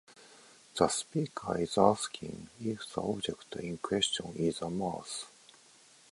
The speaker is asking if the object in question is a mouse.